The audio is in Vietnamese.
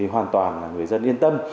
hoàn toàn là người dân yên tâm